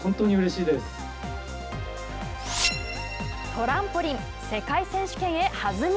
トランポリン世界選手権へ弾み。